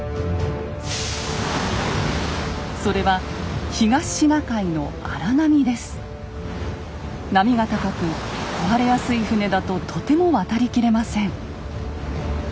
それは波が高く壊れやすい船だととても渡りきれません。